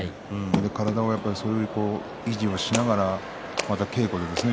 体を維持しながらまた稽古ですね。